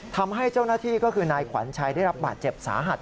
ทำให้เจ้าหน้าที่ก็คือนายขวัญชัยได้รับบาดเจ็บสาหัส